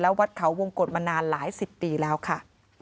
วัดเขาวงกฎมานานหลายสิบปีแล้วค่ะ